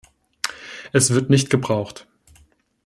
Es wird nicht gebraucht.